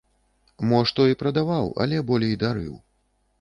Мо што і прадаваў, але болей дарыў.